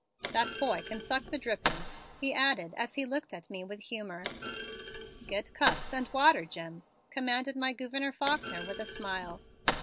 "That boy can suck the drippings," he added as he looked at me with humor. "Get cups and water, Jim," commanded my Gouverneur Faulkner with a smile.